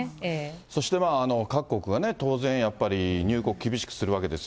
そして各国は当然、やっぱり入国、厳しくするわけですよ